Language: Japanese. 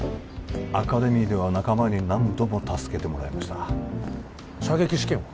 アカデミーでは仲間に何度も助けてもらいました射撃試験は？